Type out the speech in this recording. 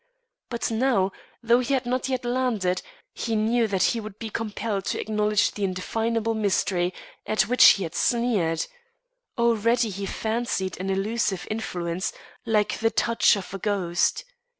But now, though he had not yet landed, he knew that he would be compelled to acknowledge the indefinable mystery at which he had sneered. Already he fancied an elusive influence, like the touch of a ghost.